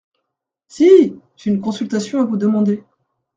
Si !… j’ai une consultation à vous demander.